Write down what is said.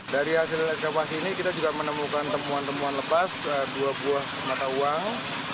dari hasil evakuasi ini kita juga menemukan temuan temuan lepas dua buah mata uang